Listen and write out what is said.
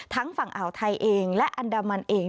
ฝั่งอ่าวไทยเองและอันดามันเอง